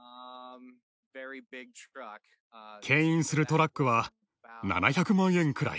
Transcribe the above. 牽引するトラックは７００万円くらい。